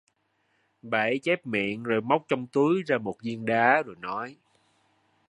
bà ấy chép miệng rồi móc trong túi ra một viên đá rồi nói